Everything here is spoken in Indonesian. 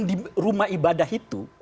di rumah ibadah itu